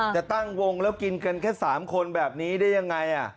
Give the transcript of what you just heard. จะตั้งวงแล้วกินกันแค่๓คนแบบนี้ได้ยังไง